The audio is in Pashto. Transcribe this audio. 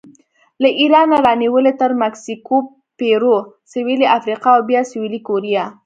له ایرانه رانیولې تر مکسیکو، پیرو، سویلي افریقا او بیا سویلي کوریا